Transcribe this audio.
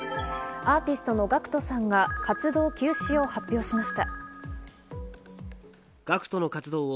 アーティストのＧＡＣＫＴさんが活動休止を発表しました。